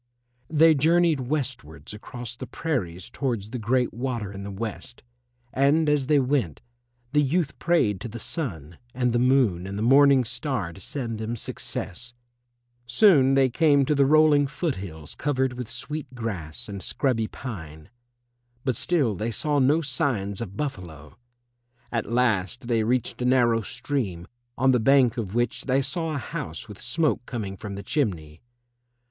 They journeyed westwards across the prairies towards the Great Water in the West, and as they went, the youth prayed to the Sun and the Moon and the Morning Star to send them success. Soon they came to the rolling foot hills covered with sweet grass and scrubby pine. But still they saw no signs of buffalo. At last they reached a narrow stream, on the bank of which they saw a house with smoke coming from the chimney.